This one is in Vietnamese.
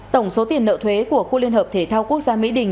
tổng số tiền nợ thuế của khu liên hợp thể thao quốc gia mỹ đình